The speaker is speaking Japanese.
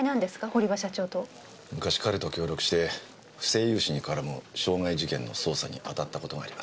昔彼と協力して不正融資に絡む傷害事件の捜査に当たった事があります。